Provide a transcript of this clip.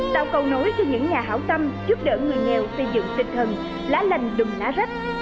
tạo cầu nối cho những nhà hảo tâm giúp đỡ người nghèo xây dựng tinh thần lá lành đùm lá rách